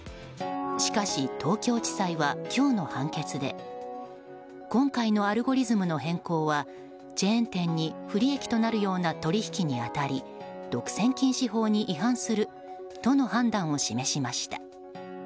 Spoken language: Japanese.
しかし、東京地裁は今日の判決で今回のアルゴリズムの変更はチェーン店に不利益となるような取引に当たり独占禁止法に違反するとの判断を示しました。